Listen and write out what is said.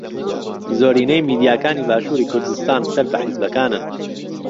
زۆرینەی میدیاکانی باشووری کوردستان سەر بە حیزبەکانن.